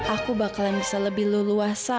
aku bakalan bisa lebih leluasa